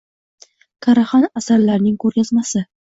Karaxan asarlarining ko‘rgazmasi